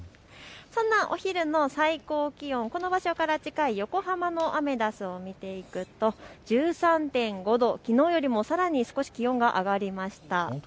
そんなお昼の最高気温、この場所から近い横浜のアメダスを見ていくと１３．５度きのうよりも少し気温が上がりました。